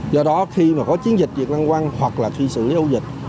do đó khi mà có chiến dịch việc lăn quăng hoặc là khi xử lý ô dịch